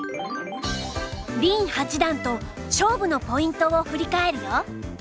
林八段と勝負のポイントを振り返るよ。